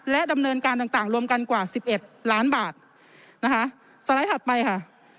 ดำเนินการต่างต่างรวมกันกว่าสิบเอ็ดล้านบาทนะคะสไลด์ถัดไปค่ะ